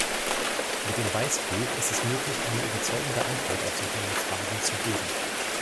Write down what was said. Mit dem Weißbuch ist es möglich, eine überzeugende Antwort auf solcherlei Fragen zu geben.